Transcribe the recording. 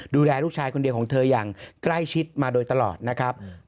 ดูแลลูกชายคนเดียวของเธออย่างใกล้ชิดมาโดยตลอดนะครับ